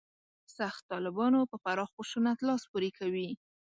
«سخت طالبانو» په پراخ خشونت لاس پورې کوي.